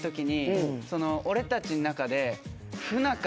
俺たちの中で。